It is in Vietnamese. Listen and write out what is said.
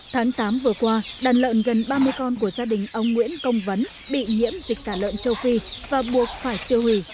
tháng tám vừa qua đàn lợn gần ba mươi con của gia đình ông nguyễn công vấn bị nhiễm dịch tả lợn châu phi và buộc phải tiêu hủy